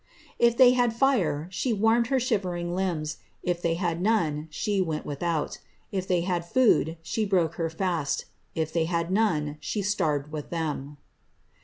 ^ If they had fiiti she warmed her shivering limbs ; if they had none, she went wilhoat*, if they had food, she broke her fast ; if they had none, she starved with : them."